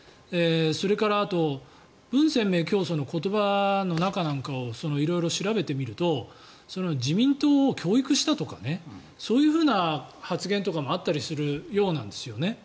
それからあとブン・センメイ教祖の言葉の中なんかを色々調べてみると自民党を教育したとかそういうふうな発言とかもあったりするようなんですよね。